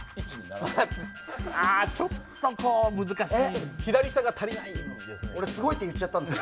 ちょっと難しい。